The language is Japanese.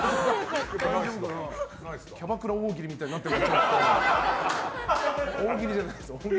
キャバクラ大喜利みたいになってる。